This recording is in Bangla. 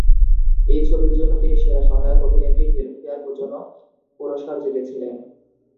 এই ছবির জন্য তিনি সেরা সহায়ক অভিনেত্রী ফিল্মফেয়ার জন্য পুরস্কার জিতেছিলেন।